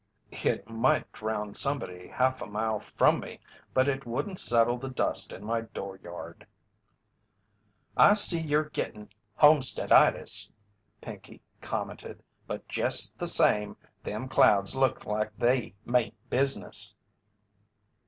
"It might drown somebody half a mile from me but it wouldn't settle the dust in my dooryard." "I see you're gittin' homesteaditis," Pinkey commented, "but jest the same them clouds look like they meant business."